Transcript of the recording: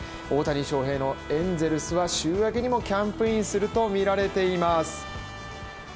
大谷翔平のエンゼルスは週明けにもキャンプインするとみられています。